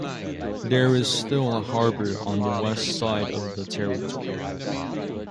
There is still a harbour on the west side of the territory.